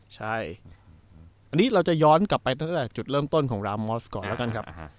ใช่อันนี้เราจะย้อนกลับไปตั้งแต่จุดเริ่มต้นของรามอสก่อนแล้วกันครับ